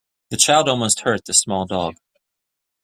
The child almost hurt the small dog.